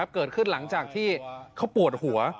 เกิดขึ้นหลังจากที่เขาปวดหัว